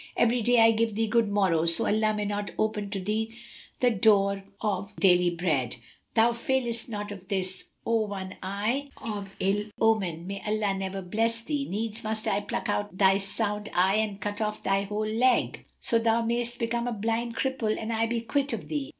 "Every day I give thee good morrow, so Allah may not open to thee the door of daily bread." "Thou failest not of this, O one eye[FN#269] of ill omen! May Allah never bless thee! Needs must I pluck out thy sound eye and cut off thy whole leg, so thou mayst become a blind cripple and I be quit of thee.